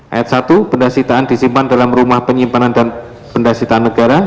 ayat satu pendasitaan disimpan dalam rumah penyimpanan dan pendasitaan negara